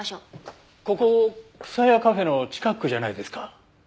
ここ草谷カフェの近くじゃないですか？